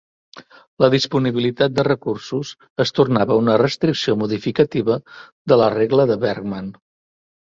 La disponibilitat de recursos es tornava una restricció modificativa de la Regla de Bergmann.